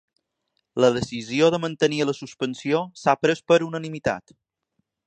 La decisió de mantenir la suspensió s’ha pres per unanimitat.